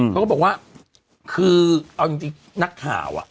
เขาก็บอกว่าคือเอาจริงนักข่าว